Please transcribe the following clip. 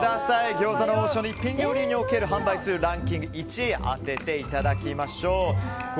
餃子の王将の一品料理における販売数ランキング１位を当てていただきたいと思います。